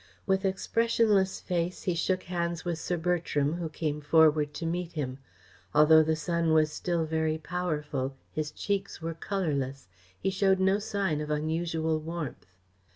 With expressionless face, he shook hands with Sir Bertram, who came forward to meet him. Although the sun was still very powerful, his cheeks were colourless, he showed no sign of unusual warmth.